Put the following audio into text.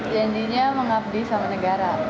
janjinya mengabdi sama negara